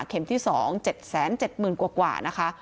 เข็มที่๒๗๗๐๐๐๐กว่านะคะ